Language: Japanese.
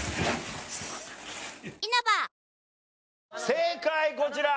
正解こちら。